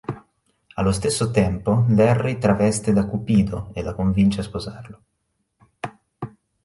Allo stesso tempo, Larry traveste da Cupido e la convince a sposarlo.